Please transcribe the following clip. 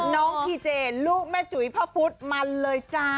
พี่พีเจลูกแม่จุ๋ยพระพุทธมันเลยจ้า